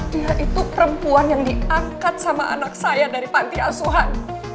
dia itu perempuan yang diangkat sama anak saya dari panti asuhan